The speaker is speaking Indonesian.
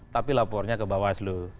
tapi lapornya ke bawaslu